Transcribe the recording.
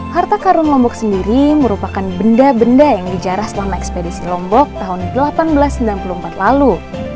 harta karun lombok sendiri merupakan benda benda yang dijarah selama ekspedisi lombok tahun seribu delapan ratus sembilan puluh empat lalu